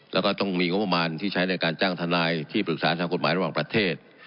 แล้วก็ต้องมีงบประมาณที่ใช้ในการจ้างทนายที่ปรึกษาทางกฎหมายระหว่างประเทศ